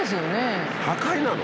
破壊なの？